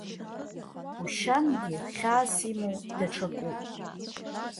Ушьангьи хьаас имоу даҽакуп.